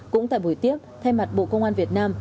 cũng tại buổi tiếp thay mặt bộ công an việt nam